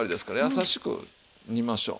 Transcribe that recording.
優しく煮ましょう。